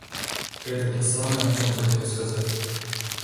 Это-то самое он хотел сказать.